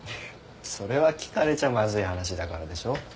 それは聞かれちゃまずい話だからでしょ？